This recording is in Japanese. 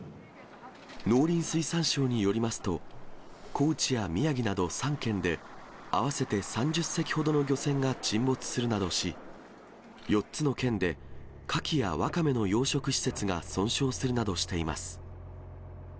農林水産省によりますと、高知や宮城など３県で、合わせて３０隻ほどの漁船が沈没するなどし、４つの県で、カキやワカメの養殖施設が損傷するなどしています。